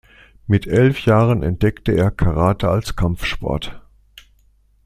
Mit elf Jahren entdeckte er Karate als Kampfsport.